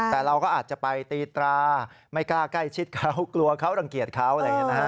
แต่เราก็อาจจะไปตีตราไม่กล้าใกล้ชิดเขากลัวเขารังเกียจเขาอะไรอย่างนี้นะฮะ